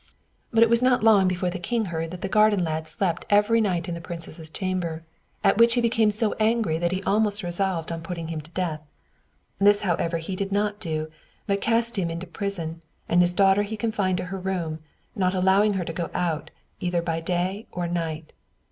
But it was not long before the king heard that the garden lad slept every night in the princess's chamber, at which he became so angry that he almost resolved on putting him to death. This, however, he did not do, but cast him into prison, and his daughter he confined to her room, not allowing her to go out, either by day or night.